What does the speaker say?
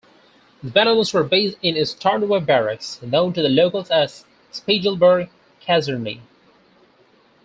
The battalions were based in Stornoway Barracks, known to the locals as Spiegelberg Kaserne.